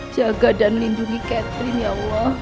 jaga dan lindungi catherine ya allah